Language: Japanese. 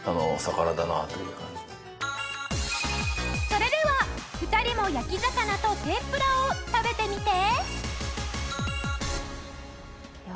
それでは２人も焼き魚と天ぷらを食べてみて。